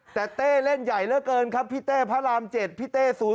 แต่เต้เล่นใหญ่เหลือเกินครับพี่เต้พระราม๗พี่เต้๐๔